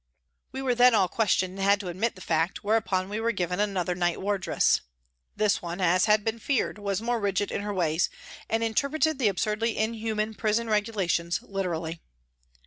We were then all questioned and had to admit the fact, whereupon we were given another night wardress. This one, as had been feared, was more rigid in her ways and interpreted the absurdly inhuman prison regulations literally.